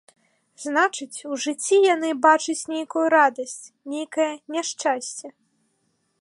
Значыць, у жыцці яны бачаць нейкую радасць, нейкае няшчасце.